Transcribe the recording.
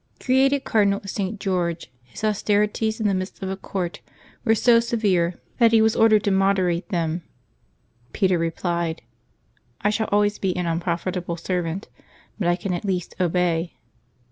Created Cardinal of St. George, his austerities in the midst of a court were so severe that he was ordered to moderate them. Peter replied, " I shall always be an unprofitable servant, but I can at least obey."